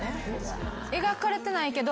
描かれてないけど。